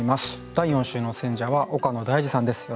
第４週の選者は岡野大嗣さんです。